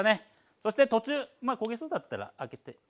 そして途中焦げそうだったら開けて。